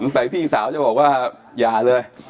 ใส่พี่สาวจะบอกว่าอย่าเลย